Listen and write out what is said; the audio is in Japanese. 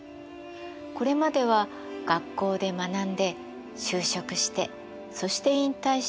これまでは学校で学んで就職してそして引退して老後の暮らし。